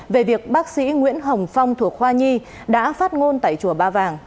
về việc bác sĩ nguyễn hồng phong thuộc khoa nhi đã phát ngôn tại chùa ba vàng